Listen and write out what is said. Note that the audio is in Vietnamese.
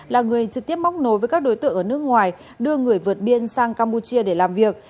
là người trực tiếp móc nối với các đối tượng ở nước ngoài đưa người vượt biên sang campuchia để làm việc